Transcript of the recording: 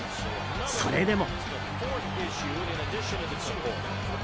それでも。